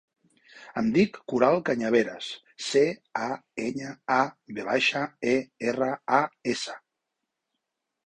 Em dic Coral Cañaveras: ce, a, enya, a, ve baixa, e, erra, a, essa.